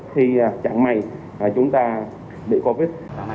thì chẳng may là chúng ta bị covid